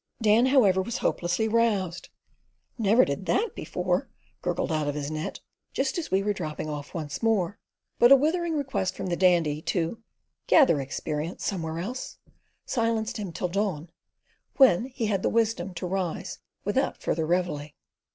Dan, however, was hopelessly roused. "Never did that before," gurgled out of his net, just as we were dropping off once more; but a withering request from the Dandy to "gather experience somewhere else," silenced him till dawn, when he had the wisdom to rise without further reveille.